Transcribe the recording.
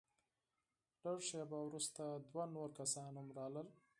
لږه شېبه وروسته دوه نور کسان هم راغلل.